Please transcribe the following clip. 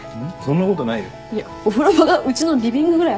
いやお風呂場がうちのリビングぐらいあったよ。